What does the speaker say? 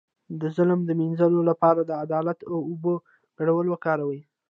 د ظلم د مینځلو لپاره د عدالت او اوبو ګډول وکاروئ